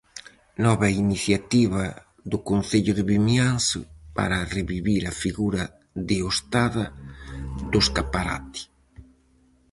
Nova iniciativa do Concello de Vimianzo para revivir a figura deostada do escaparate.